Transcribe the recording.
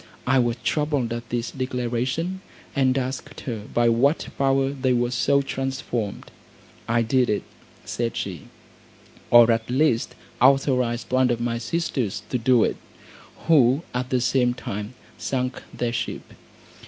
I was troubled at this declaration, and asked her by what power they were so transformed. "I did it," said she, "or at least authorised one of my sisters to do it, who at the same time sunk their ship.